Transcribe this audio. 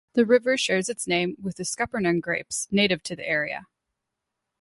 The river shares its name with the Scuppernong grapes native to the area.